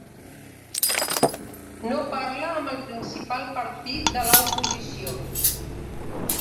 No parla amb el principal partit de la oposició.